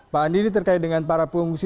pak andi ini terkait dengan para pengungsi